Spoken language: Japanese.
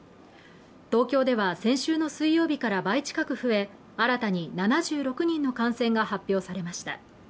東京では先週の水曜から倍近く増え、新たに７６人の感染が発表されました。